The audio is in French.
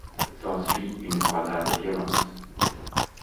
S'ensuit une croisade violente.